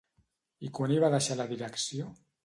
I quan hi va deixar la direcció?